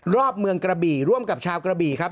รอบเมืองกระบี่ร่วมกับชาวกระบี่ครับ